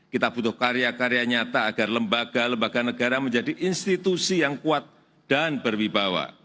kita butuh karya karya nyata agar lembaga lembaga negara menjadi institusi yang kuat dan berwibawa